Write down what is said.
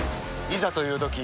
いざというとき